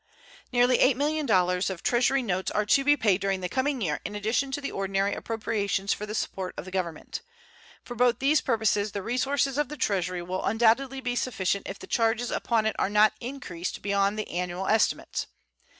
Nearly $8,000,000 of Treasury notes are to be paid during the coming year in addition to the ordinary appropriations for the support of Government. For both these purposes the resources of the Treasury will undoubtedly be sufficient if the charges upon it are not increased beyond the annual estimates.